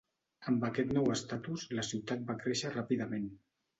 Amb aquest nou estatus la ciutat va créixer ràpidament.